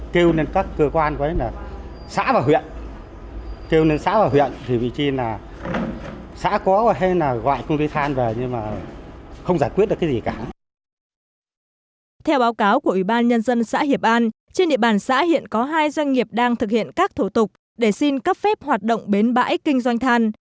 theo báo cáo của ủy ban nhân dân xã hiệp an trên địa bàn xã hiện có hai doanh nghiệp đang thực hiện các thủ tục để xin cấp phép hoạt động bến bãi kinh doanh than